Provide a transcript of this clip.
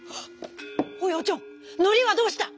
おいおちょんのりはどうした？」。